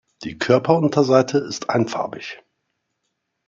Die Körperunterseite ist einfarbig.